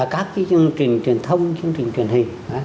các chương trình truyền thông chương trình truyền hình